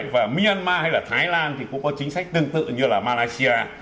và myanmar hay là thái lan thì cũng có chính sách tương tự như là malaysia